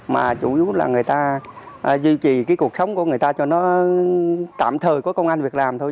mà chủ yếu là người ta duy trì cái cuộc sống của người ta cho nó tạm thời có công an việc làm thôi